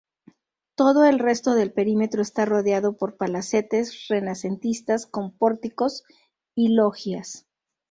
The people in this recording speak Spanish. Todo el resto del perímetro está rodeado por palacetes renacentistas con pórticos y logias.